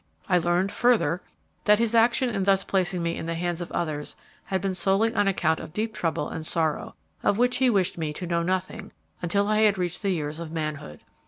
I learned, further, that his action in thus placing me in the hands of others had been solely on account of deep trouble and sorrow, of which he wished me to know nothing until I had reached the years of manhood.